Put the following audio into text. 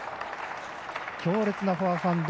強烈はフォアハンド。